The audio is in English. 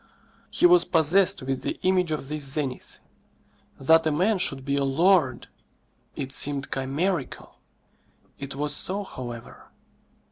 He was possessed with the image of this zenith. That a man should be a lord! it seemed chimerical. It was so, however.